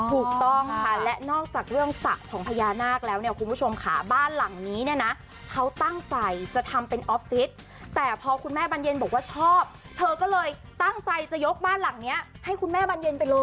ถูกต้องค่ะและนอกจากเรื่องสระของพญานาคแล้วเนี่ยคุณผู้ชมค่ะบ้านหลังนี้เนี่ยนะเขาตั้งใจจะทำเป็นออฟฟิศแต่พอคุณแม่บรรเย็นบอกว่าชอบเธอก็เลยตั้งใจจะยกบ้านหลังเนี้ยให้คุณแม่บรรเย็นไปเลย